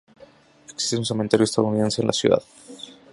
Existe un cementerio estadounidense en la ciudad.